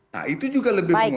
nah itu juga lebih mudah